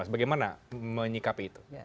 bagaimana menyikapi itu